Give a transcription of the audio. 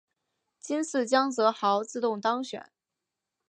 今次江泽濠自动当选。